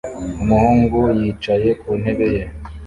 umuhungu yicaye ku ntebe ye